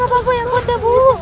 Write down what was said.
ya ampun ya kut ya bu